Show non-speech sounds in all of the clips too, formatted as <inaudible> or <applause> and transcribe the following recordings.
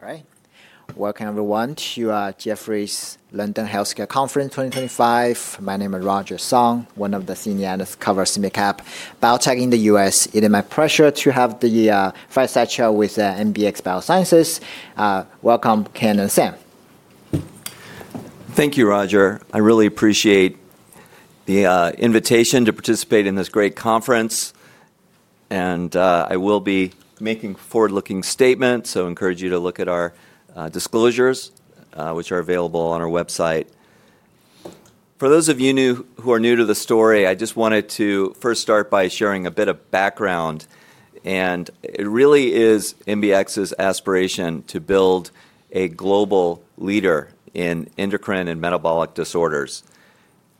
All right. Welcome, everyone, to Jeffrey's London Healthcare Conference 2025. My name is Roger Song, one of the senior analysts covering Semi-Cap Biotech in the U.S.. It is my pleasure to have the fifth session with MBX Biosciences. Welcome, Ken and Sam. Thank you, Roger. I really appreciate the invitation to participate in this great conference. I will be making forward-looking statements, so I encourage you to look at our disclosures, which are available on our website. For those of you who are new to the story, I just wanted to first start by sharing a bit of background. It really is MBX's aspiration to build a global leader in endocrine and metabolic disorders.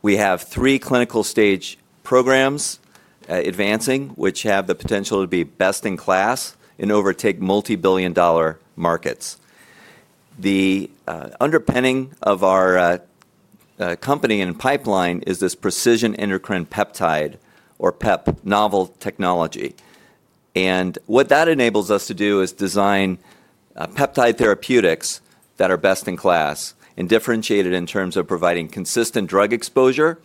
We have three clinical-stage programs advancing, which have the potential to be best in class and overtake multi-billion-dollar markets. The underpinning of our company and pipeline is this precision endocrine peptide, or PEP, novel technology. What that enables us to do is design peptide therapeutics that are best in class and differentiated in terms of providing consistent drug exposure,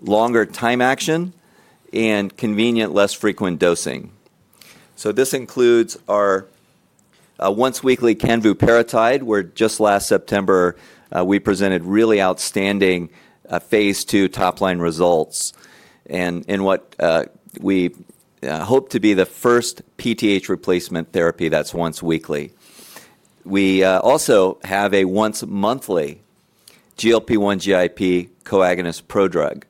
longer time action, and convenient, less frequent dosing. This includes our once-weekly canvuparatide, where just last September, we presented really outstanding phase II top-line results. In what we hope to be the first PTH replacement therapy that's once weekly. We also have a once-monthly GLP-1 GIP co-agonist prodrug,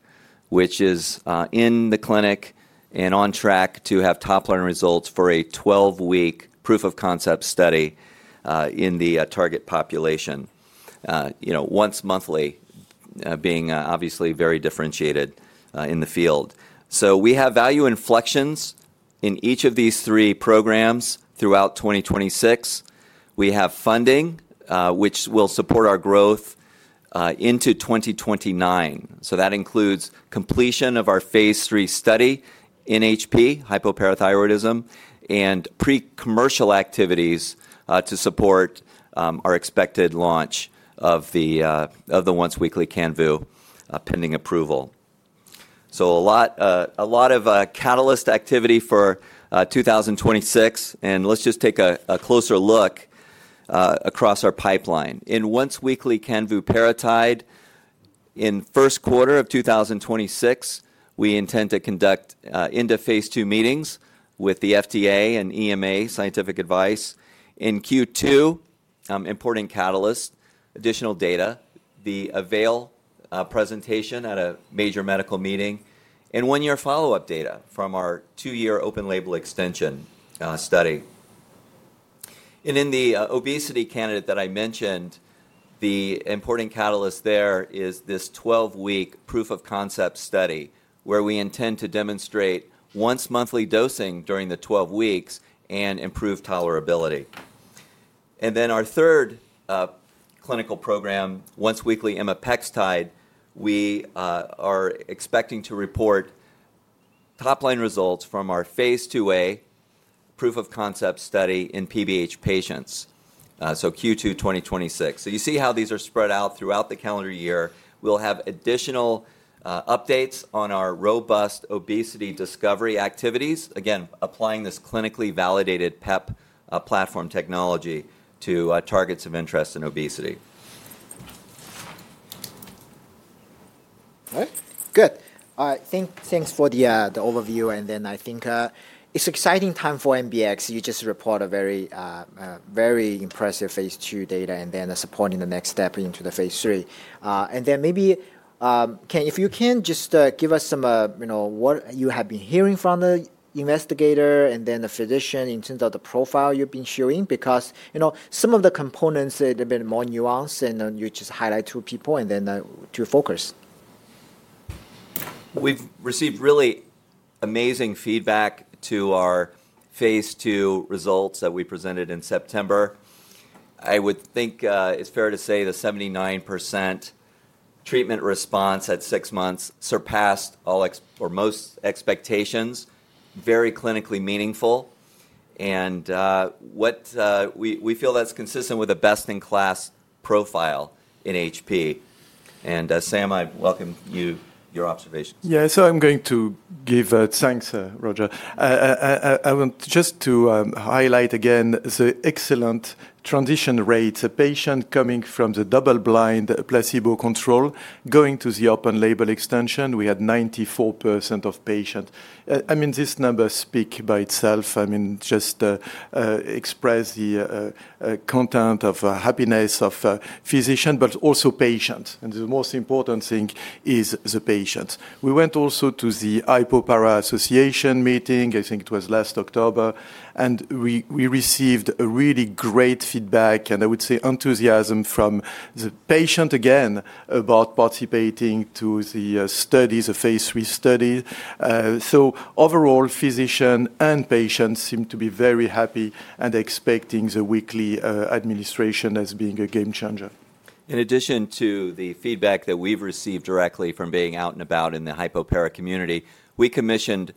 which is in the clinic and on track to have top-line results for a 12-week proof-of-concept study in the target population, once monthly, being obviously very differentiated in the field. We have value inflections in each of these three programs throughout 2026. We have funding, which will support our growth into 2029. That includes completion of our phase III study in HP, hypoparathyroidism, and pre-commercial activities to support our expected launch of the once-weekly canvuparatide pending approval. A lot of catalyst activity for 2026. Let's just take a closer look across our pipeline. In once-weekly canvuparatide, in the first quarter of 2026, we intend to conduct end-of-phase II meetings with the FDA and EMA scientific advice. In Q2, important catalysts, additional data, the AVAIL presentation at a major medical meeting, and one-year follow-up data from our two-year open-label extension study. In the obesity candidate that I mentioned, the important catalyst there is this 12-week proof-of-concept study, where we intend to demonstrate once-monthly dosing during the 12 weeks and improve tolerability. Our third clinical program, once-weekly MBX peptide, we are expecting to report top-line results from our phase II A proof-of-concept study in PBH patients. Q2 2026. You see how these are spread out throughout the calendar year. We will have additional updates on our robust obesity discovery activities, again, applying this clinically validated PEP platform technology to targets of interest in obesity. All right. Good. Thanks for the overview. I think it's an exciting time for MBX. You just reported very impressive phase II data and supporting the next step into the phase III. Maybe, Ken, if you can just give us some of what you have been hearing from the investigator and the physician in terms of the profile you've been showing, because some of the components are a bit more nuanced, and you just highlight two people and two focus. We've received really amazing feedback to our phase II results that we presented in September. I would think it's fair to say the 79% treatment response at six months surpassed all or most expectations, very clinically meaningful. We feel that's consistent with a best-in-class profile in HP. Sam, I welcome you, your observations. Yeah, so I'm going to give thanks, Roger. I want just to highlight again the excellent transition rate. A patient coming from the double-blind placebo control going to the open-label extension, we had 94% of patients. I mean, this number speaks by itself. I mean, just express the content of happiness of physicians, but also patients. And the most important thing is the patients. We went also to the Hypopara Association meeting. I think it was last October. I mean, we received really great feedback and I would say enthusiasm from the patients again about participating to the studies, the phase III studies. Overall, physicians and patients seem to be very happy and expecting the weekly administration as being a game changer. In addition to the feedback that we've received directly from being out and about in the HypoPARA community, we commissioned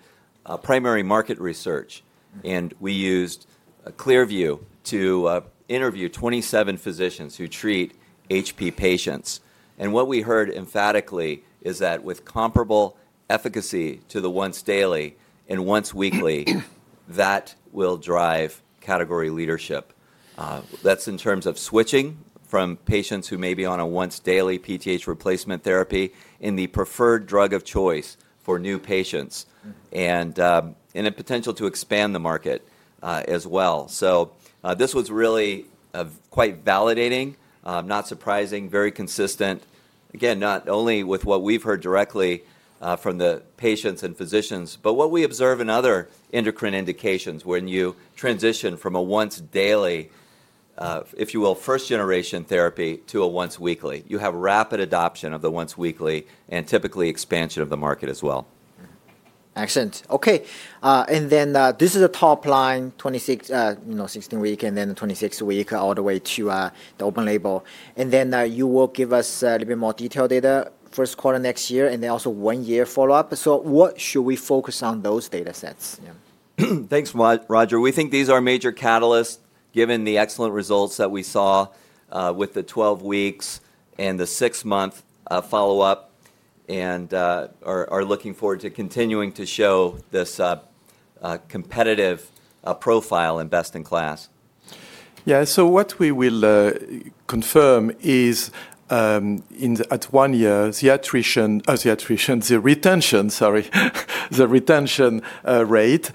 primary market research, and we used ClearView to interview 27 physicians who treat HP patients. What we heard emphatically is that with comparable efficacy to the once daily and once weekly, that will drive category leadership. That is in terms of switching from patients who may be on a once daily PTH replacement therapy in the preferred drug of choice for new patients and in a potential to expand the market as well. This was really quite validating, not surprising, very consistent, again, not only with what we've heard directly from the patients and physicians, but what we observe in other endocrine indications when you transition from a once daily, if you will, first-generation therapy to a once weekly. You have rapid adoption of the once weekly and typically expansion of the market as well. Excellent. Okay. This is a top line, 26, 16 week, and then the 26th week all the way to the open label. You will give us a little bit more detailed data first quarter next year and then also one-year follow-up. What should we focus on those data sets? Thanks, Roger. We think these are major catalysts given the excellent results that we saw with the 12 weeks and the six-month follow-up and are looking forward to continuing to show this competitive profile and best in class. Yeah, so what we will confirm is at one year, the retention rate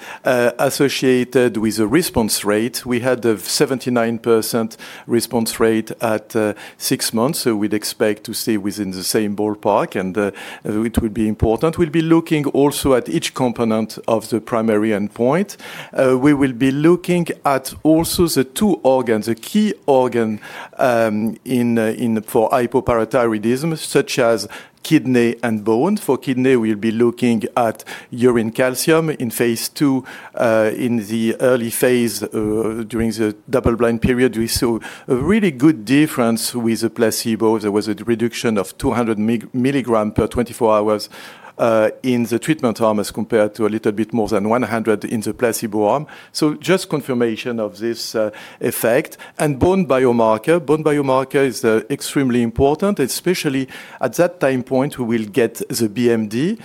associated with the response rate. We had a 79% response rate at six months, so we'd expect to stay within the same ballpark, and it would be important. We'll be looking also at each component of the primary endpoint. We will be looking at also the two organs, the key organ for hypoparathyroidism, such as kidney and bone. For kidney, we'll be looking at urine calcium in phase II. In the early phase during the double-blind period, we saw a really good difference with the placebo. There was a reduction of 200 mg per 24 hours in the treatment arm as compared to a little bit more than 100 in the placebo arm. Just confirmation of this effect. Bone biomarker is extremely important, especially at that time point we will get the BMD,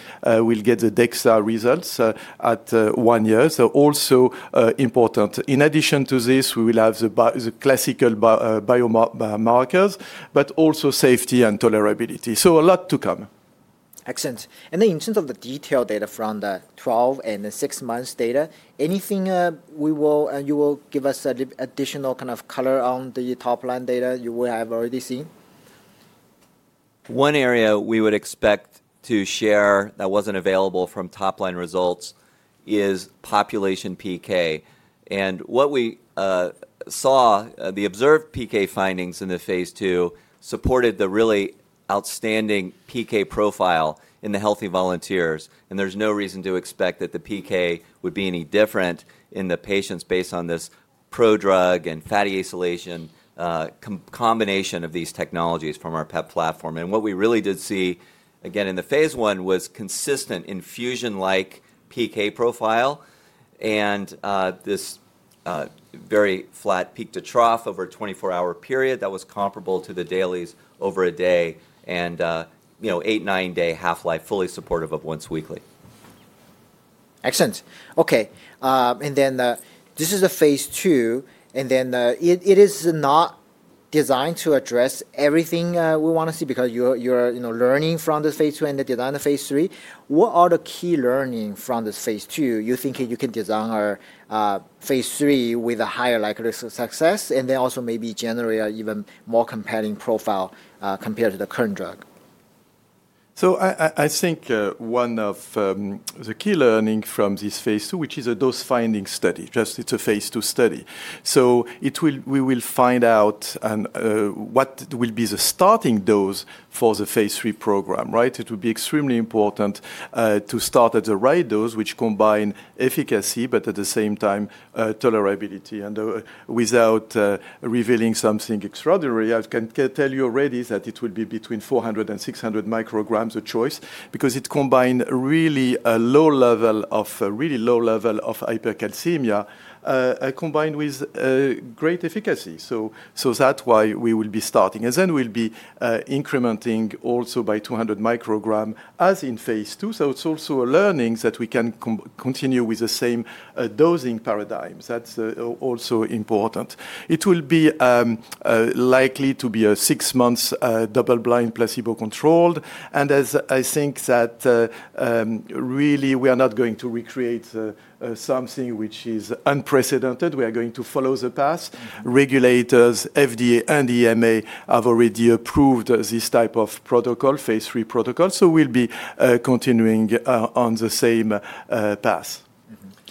we'll get the DEXA results at one year, so also important. In addition to this, we will have the classical biomarkers, but also safety and tolerability. A lot to come. Excellent. In terms of the detailed data from the 12 months and the 6 months data, anything you will give us additional kind of color on the top line data you will have already seen? One area we would expect to share that was not available from top-line results is population PK. What we saw, the observed PK findings in the phase II supported the really outstanding PK profile in the healthy volunteers. There is no reason to expect that the PK would be any different in the patients based on this prodrug and fatty isolation combination of these technologies from our PEP platform. What we really did see, again, in the phase I was consistent infusion-like PK profile and this very flat peak to trough over a 24-hour period that was comparable to the dailies over a day and eight, nine-day half-life fully supportive of once weekly. Excellent. Okay. This is the phase II. It is not designed to address everything we want to see because you're learning from the phase II and the design of phase III. What are the key learnings from this phase II? You're thinking you can design our phase III with a higher likelihood of success and also maybe generate an even more compelling profile compared to the current drug. I think one of the key learnings from this phase II, which is a dose-finding study, just it's a phase II study. We will find out what will be the starting dose for the phase III program, right? It would be extremely important to start at the right dose, which combines efficacy, but at the same time tolerability. Without revealing something extraordinary, I can tell you already that it would be between 400 micrograms-600 micrograms of choice because it combines really a low level of really low level of hypercalcemia combined with great efficacy. That is why we will be starting. We will be incrementing also by 200 micrograms as in phase II. It is also a learning that we can continue with the same dosing paradigms. That is also important. It will be likely to be a six-month double-blind placebo-controlled. I think that really we are not going to recreate something which is unprecedented. We are going to follow the path. Regulators, FDA and EMA have already approved this type of protocol, phase III protocol. We will be continuing on the same path.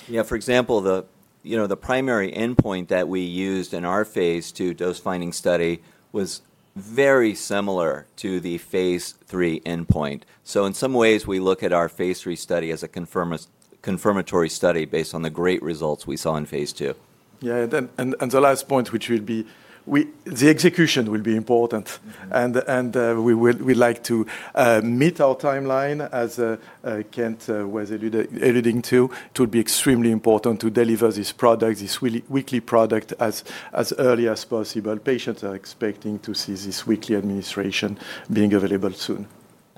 Yeah, for example, the primary endpoint that we used in our phase II dose-finding study was very similar to the phase III endpoint. In some ways, we look at our phase III study as a confirmatory study based on the great results we saw in phase II. Yeah, the last point, which will be the execution, will be important. We would like to meet our timeline, as Kent was alluding to. It would be extremely important to deliver this product, this weekly product, as early as possible. Patients are expecting to see this weekly administration being available soon.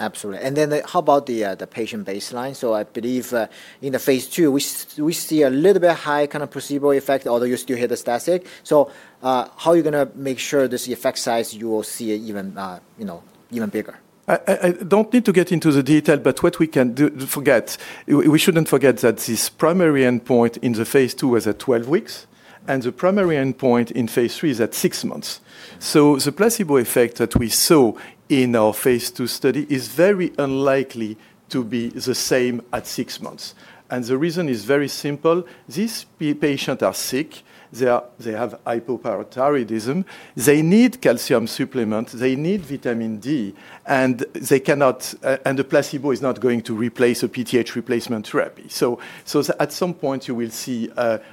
Absolutely. How about the patient baseline? I believe in the phase II, we see a little bit high kind of placebo effect, although you still hit a static. How are you going to make sure this effect size you will see even bigger? I don't need to get into the detail, but what we can forget, we shouldn't forget that this primary endpoint in the phase II was at 12 weeks, and the primary endpoint in phase III is at six months. The placebo effect that we saw in our phase II study is very unlikely to be the same at six months. The reason is very simple. These patients are sick. They have hypoparathyroidism. They need calcium supplements. They need vitamin D. The placebo is not going to replace a PTH replacement therapy. At some point, you will see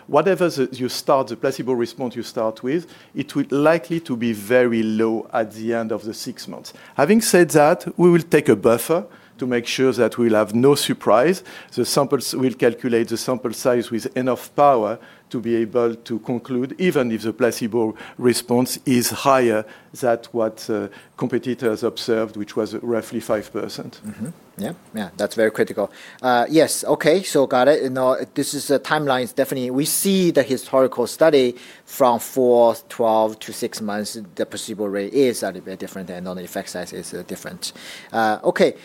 whatever you start, the placebo response you start with, it would likely be very low at the end of the six months. Having said that, we will take a buffer to make sure that we'll have no surprise. The samples will calculate the sample size with enough power to be able to conclude even if the placebo response is higher than what competitors observed, which was roughly 5%. Yeah, that's very critical. Yes, okay, got it. This is a timeline definitely. We see the historical study from four, 12 months-6 months, the placebo rate is a little bit different and the effect size is different. Okay.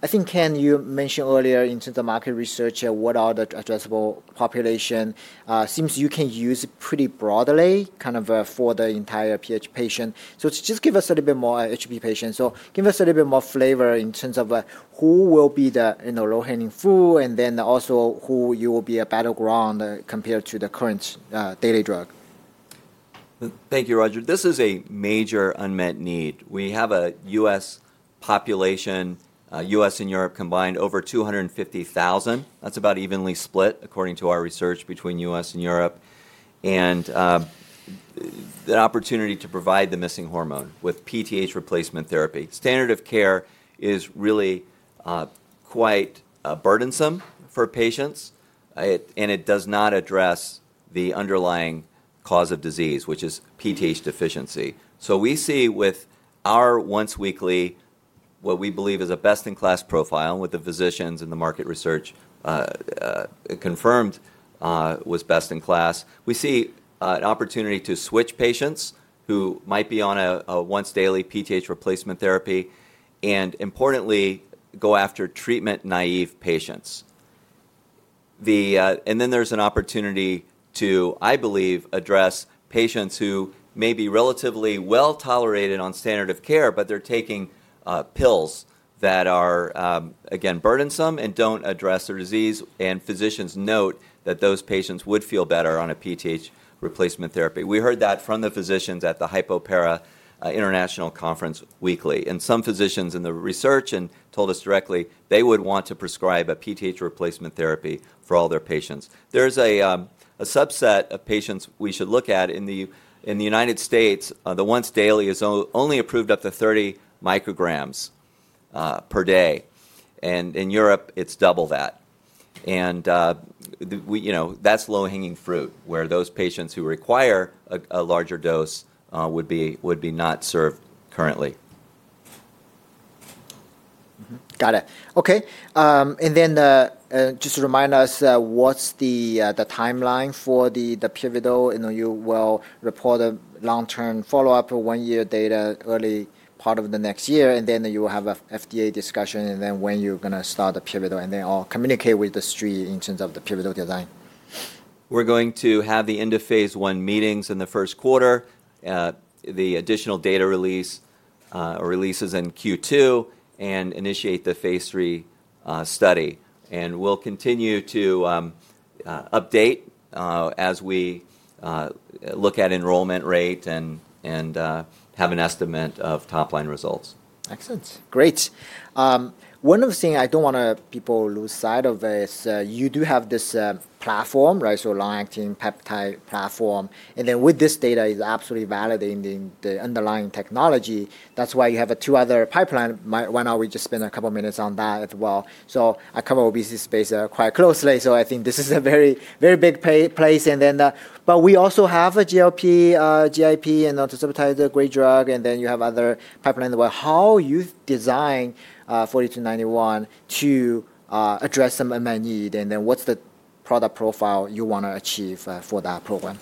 I think, Ken, you mentioned earlier in terms of market research, what are the addressable population? It seems you can use it pretty broadly kind of for the entire HP patient. Just give us a little bit more HP patients. Give us a little bit more flavor in terms of who will be the low-hanging fruit and then also who you will be a battleground compared to the current daily drug. Thank you, Roger. This is a major unmet need. We have a U.S. population, U.S. and Europe combined, over 250,000. That's about evenly split, according to our research, between U.S. and Europe. The opportunity to provide the missing hormone with PTH replacement therapy. Standard of care is really quite burdensome for patients, and it does not address the underlying cause of disease, which is PTH deficiency. We see with our once weekly, what we believe is a best-in-class profile with the physicians and the market research confirmed was best in class. We see an opportunity to switch patients who might be on a once daily PTH replacement therapy and, importantly, go after treatment-naive patients. There is an opportunity to, I believe, address patients who may be relatively well tolerated on standard of care, but they're taking pills that are, again, burdensome and don't address their disease. Physicians note that those patients would feel better on a PTH replacement therapy. We heard that from the physicians at the HypoPARA International Conference weekly. Some physicians in the research told us directly they would want to prescribe a PTH replacement therapy for all their patients. There is a subset of patients we should look at. In the United States, the once daily is only approved up to 30 micrograms per day. In Europe, it is double that. That is low-hanging fruit where those patients who require a larger dose would be not served currently. Got it. Okay. Just to remind us, what's the timeline for the pivotal? You will report a long-term follow-up, one-year data, early part of the next year, and then you will have an FDA discussion, and then when you're going to start the pivotal, and then I'll communicate with the street in terms of the pivotal design. We're going to have the end of phase I meetings in the first quarter, the additional data release or releases in Q2, initiate the phase III study. We'll continue to update as we look at enrollment rate and have an estimate of top-line results. Excellent. Great. One of the things I don't want people to lose sight of is you do have this platform, right? So long-acting peptide platform. And then with this data is absolutely validating the underlying technology. That's why you have two other pipelines. Why not we just spend a couple of minutes on that as well? I cover obesity space quite closely. I think this is a very, very big place. And then, but we also have a GLP, GIP, and ultra-subtitle grade drug, and then you have other pipelines as well. How you design <audio distortion> to address some unmet need, and then what's the product profile you want to achieve for that program?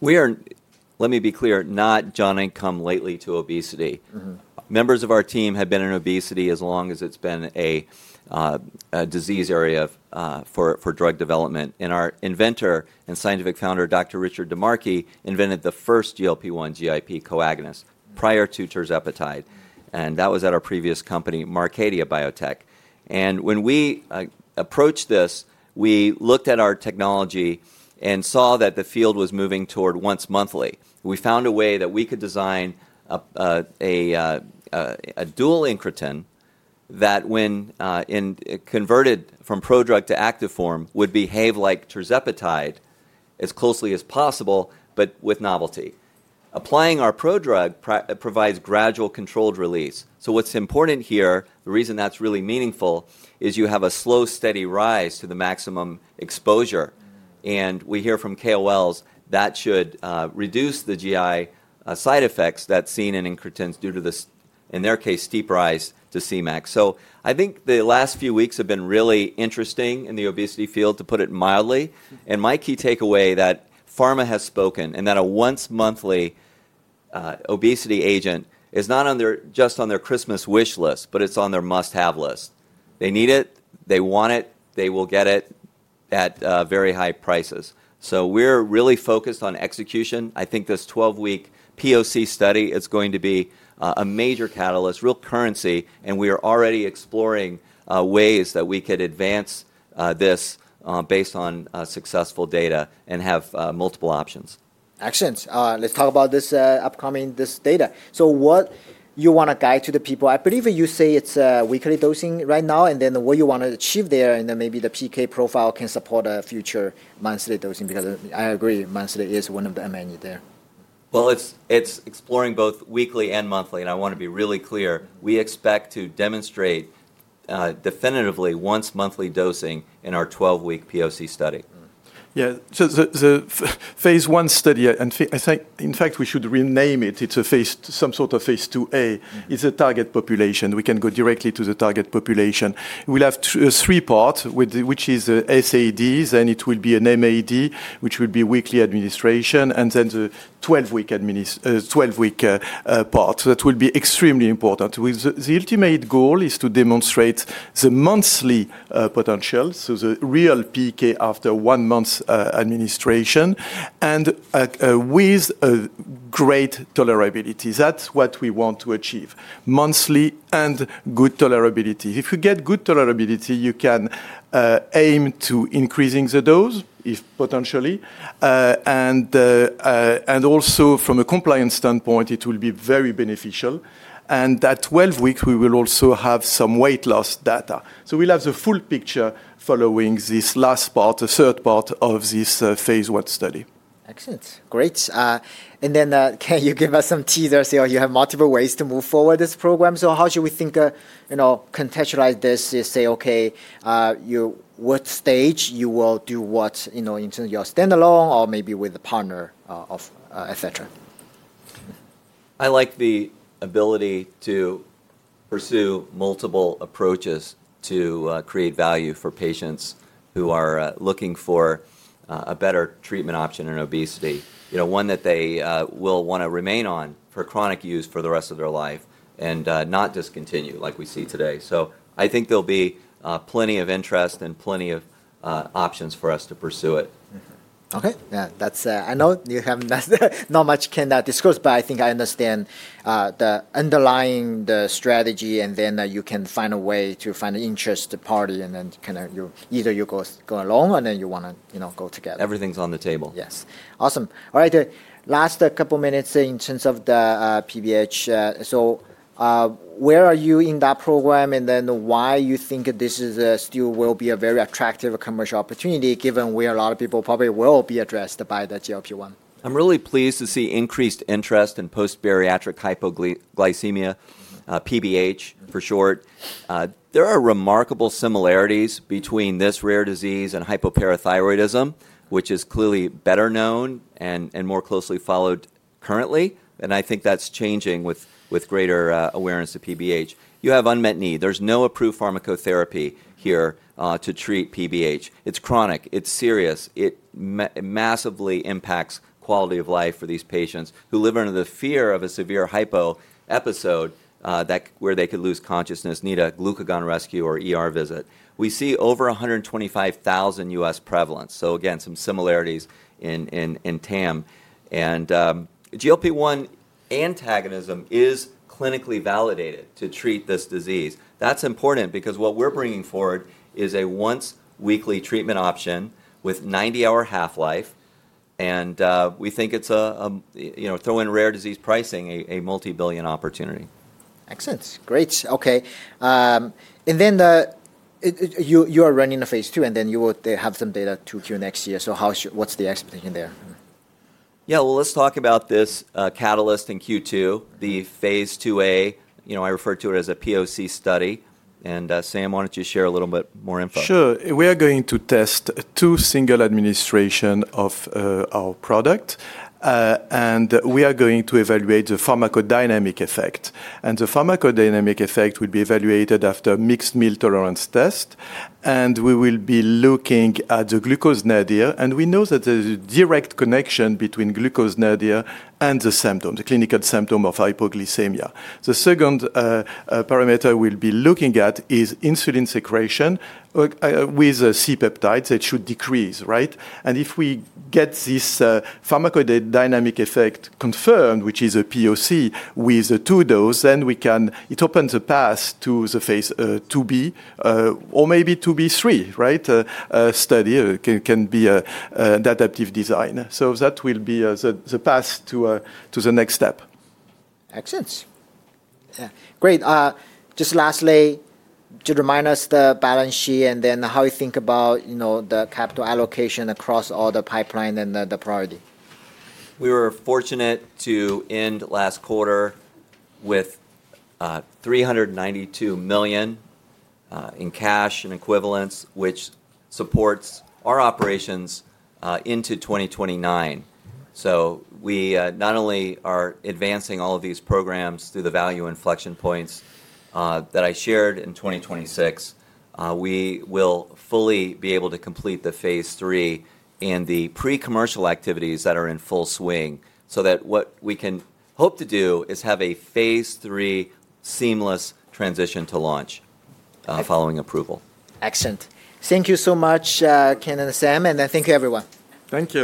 We are, let me be clear, not generally related to obesity. Members of our team have been in obesity as long as it's been a disease area for drug development. And our inventor and scientific founder, Dr. Richard DiMarchi, invented the first GLP-1 GIP co-agonist prior to tirzepatide. That was at our previous company, Marcadia Biotech. When we approached this, we looked at our technology and saw that the field was moving toward once monthly. We found a way that we could design a dual incretin that, when converted from prodrug to active form, would behave like tirzepatide as closely as possible, but with novelty. Applying our prodrug provides gradual controlled release. What's important here, the reason that's really meaningful, is you have a slow, steady rise to the maximum exposure. We hear from KOLs that should reduce the GI side effects that's seen in incretins due to this, in their case, steep rise to CMAX. I think the last few weeks have been really interesting in the obesity field, to put it mildly. My key takeaway is that pharma has spoken and that a once monthly obesity agent is not just on their Christmas wish list, but it's on their must-have list. They need it, they want it, they will get it at very high prices. We are really focused on execution. I think this 12-week POC study is going to be a major catalyst, real currency, and we are already exploring ways that we could advance this based on successful data and have multiple options. Excellent. Let's talk about this upcoming data. What do you want to guide to the people? I believe you say it's weekly dosing right now, and then what you want to achieve there, and then maybe the PK profile can support a future monthly dosing because I agree monthly is one of the unmet needs there. It's exploring both weekly and monthly, and I want to be really clear. We expect to demonstrate definitively once monthly dosing in our 12-week POC study. Yeah, so the phase I study, and I think in fact we should rename it. It's a phase, some sort of phase IIA. It's a target population. We can go directly to the target population. We'll have three parts, which is SADs, and it will be an MAD, which will be weekly administration, and then the 12-week part. That will be extremely important. The ultimate goal is to demonstrate the monthly potential, so the real PK after one month's administration, and with great tolerability. That's what we want to achieve, monthly and good tolerability. If you get good tolerability, you can aim to increasing the dose, if potentially. Also from a compliance standpoint, it will be very beneficial. That 12 weeks, we will also have some weight loss data. We'll have the full picture following this last part, the third part of this phase I study. Excellent. Great. Can you give us some teasers? You have multiple ways to move forward this program. How should we think, contextualize this, say, okay, what stage you will do what in terms of your standalone or maybe with a partner, et cetera? I like the ability to pursue multiple approaches to create value for patients who are looking for a better treatment option in obesity, one that they will want to remain on for chronic use for the rest of their life and not discontinue like we see today. I think there will be plenty of interest and plenty of options for us to pursue it. Okay. I know you have not much can discuss, but I think I understand the underlying strategy, and then you can find a way to find an interest party, and then kind of either you go along, or then you want to go together. Everything's on the table. Yes. Awesome. All right. Last couple of minutes in terms of the PBH. Where are you in that program, and then why you think this still will be a very attractive commercial opportunity given where a lot of people probably will be addressed by the GLP-1? I'm really pleased to see increased interest in post-bariatric hypoglycemia, PBH for short. There are remarkable similarities between this rare disease and hypoparathyroidism, which is clearly better known and more closely followed currently. I think that's changing with greater awareness of PBH. You have unmet need. There's no approved pharmacotherapy here to treat PBH. It's chronic. It's serious. It massively impacts quality of life for these patients who live under the fear of a severe hypo episode where they could lose consciousness, need a glucagon rescue or ER visit. We see over 125,000 U.S. prevalence. Again, some similarities in TAM. GLP-1 antagonism is clinically validated to treat this disease. That's important because what we're bringing forward is a once weekly treatment option with 90-hour half-life. We think it's a, throw in rare disease pricing, a multi-billion opportunity. Excellent. Great. Okay. You are running a phase II, and then you would have some data to Q2 next year. What is the expectation there? Yeah, let's talk about this catalyst in Q2, the phase IIA. I refer to it as a POC study. Sam, why don't you share a little bit more info? Sure. We are going to test two single administrations of our product, and we are going to evaluate the pharmacodynamic effect. The pharmacodynamic effect will be evaluated after mixed meal tolerance test. We will be looking at the glucose nadir, and we know that there is a direct connection between glucose nadir and the symptom, the clinical symptom of hypoglycemia. The second parameter we will be looking at is insulin secretion with C peptides. It should decrease, right? If we get this pharmacodynamic effect confirmed, which is a POC with a two dose, then we can, it opens a path to the phase IIB or maybe IIB3, right? Study can be an adaptive design. That will be the path to the next step. Excellent. Great. Just lastly, to remind us the balance sheet and then how you think about the capital allocation across all the pipeline and the priority. We were fortunate to end last quarter with $392 million in cash and equivalents, which supports our operations into 2029. We not only are advancing all of these programs through the value inflection points that I shared in 2026, we will fully be able to complete the phase three and the pre-commercial activities that are in full swing so that what we can hope to do is have a phase three seamless transition to launch following approval. Excellent. Thank you so much, Ken and Sam, and thank you everyone. Thank you.